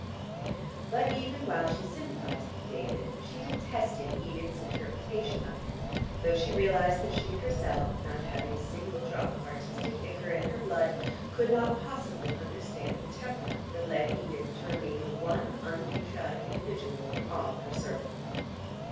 But even while she sympathised with David, she detested Edith's interpretation of him, though she realised that she herself, not having a single drop of artistic ichor in her blood, could not possibly understand the temperament that led Edith to remain the one unpatriotic individual in all her circle.